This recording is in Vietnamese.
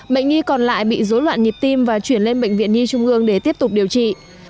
bệnh nhi còn lại bị dối loạn nhịp tim và chuyển lên bệnh viện nhi trung ương để tiếp tục điều trị